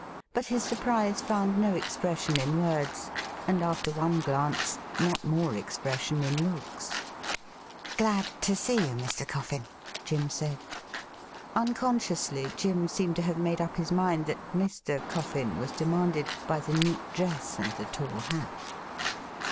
But his surprise found no expression in words, and after one glance not more expression in looks. ' Glad to see you, Mr. Coffin,' Jim said. Unconsciously Jim seemed to have made up his mind that ' Mr.' CoflBn was demanded by the neat dress and the tall hat.